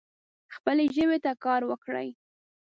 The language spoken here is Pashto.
خپلې ژبې ته کار وکړئ